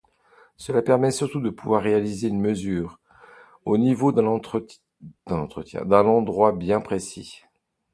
Cela permet surtout de pouvoir réaliser une mesure au niveau d’un endroit bien précis.